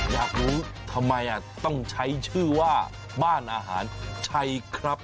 อยากรู้ทำไมต้องใช้ชื่อว่าบ้านอาหารชัยครับ